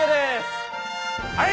はい。